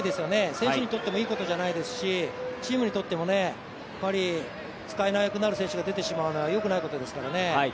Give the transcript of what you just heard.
選手にとってもいいことじゃないですし、チームにとってもやっぱり、使えなくなる選手が出てしまうのはよくないことですからね。